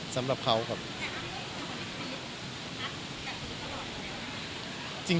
ครับการสู้รับของไหนครับ